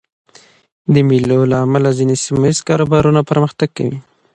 د مېلو له امله ځيني سیمه ییز کاروبارونه پرمختګ کوي.